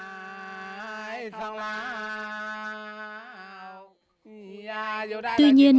tuy nhiên thời đại công nghiệp hóa ngày nay đã ảnh hưởng không nhỏ đến việc bảo tồn và gìn giữ các trang phục truyền thống của dân tộc